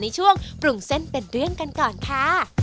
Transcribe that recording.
ในช่วงปรุงเส้นเป็นเรื่องกันก่อนค่ะ